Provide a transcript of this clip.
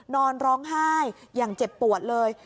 นอนร้องไห้อย่างเจ็บปวดเลย